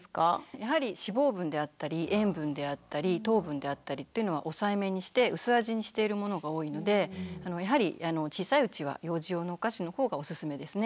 やはり脂肪分であったり塩分であったり糖分であったりっていうのは抑えめにして薄味にしているものが多いのでやはり小さいうちは幼児用のお菓子の方がおすすめですね。